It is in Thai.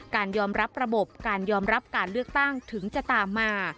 การยอมรับระบบการยอมรับการเลือกตั้งถึงจะตามมา